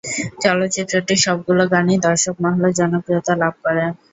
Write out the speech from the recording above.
চলচ্চিত্রটির সবগুলো গানই দর্শক মহলে জনপ্রিয়তা লাভ করে।